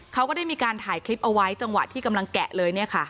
เขาก็ได้มีการถ่ายคลิปเอาไว้จังหวะที่กำลังแกะเลย